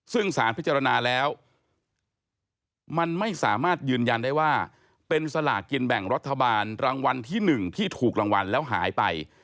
ซึ่งสารพิจารณาแล้วมันไม่สามารถยืนยันได้ว่าเป็นสลากินแบ่งรัฐบาลรางวัลที่๑ที่ถูกรางวัลแล้วหายไป